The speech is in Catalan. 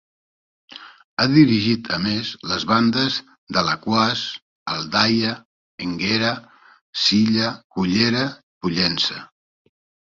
Ha dirigit a més, les Bandes d'Alaquàs, Aldaia, Énguera, Silla, Cullera, Pollença.